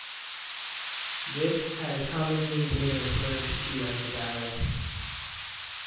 This has commonly been referred to as the battle.